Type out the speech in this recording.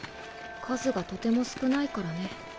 数がとても少ないからね。